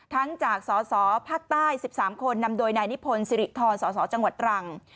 ทั้งจากสสภาคใต้๑๓คนนำโดยนายนิพนธ์สิริธรสสจังหวัดตรัง